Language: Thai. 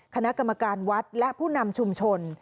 คณะกรรมการวัดและผู้นำชุมชน